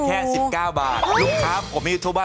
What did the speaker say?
พี่ป๊อบค่ะเขาใจคำว่า๐